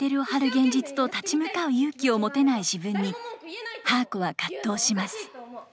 現実と立ち向かう勇気を持てない自分にはーこは葛藤します。